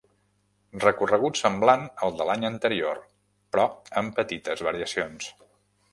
Recorregut semblant al de l'any anterior, però amb petites variacions.